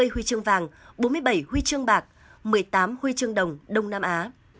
hai huy chương vàng bốn mươi bảy huy chương bạc một mươi tám huy chương đồng đông nam á